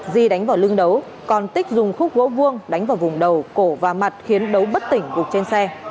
di đánh vào lưng đấu còn tích dùng khúc gỗ vuông đánh vào vùng đầu cổ và mặt khiến đấu bất tỉnh gục trên xe